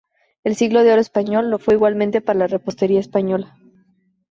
El Siglo de Oro español lo fue igualmente para la repostería española.